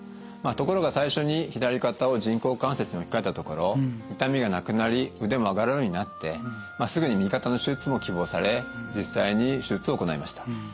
ところが最初に左肩を人工関節に置き換えたところ痛みがなくなり腕も上がるようになってすぐに右肩の手術も希望され実際に手術を行いました。